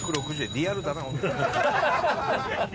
リアルだな。